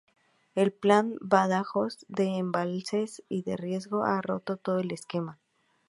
El Plan Badajoz de embalses y de riegos ha roto todo el esquema.